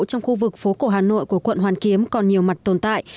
trong khu vực phố cổ hà nội của quận hoàn kiếm còn nhiều mặt tồn tại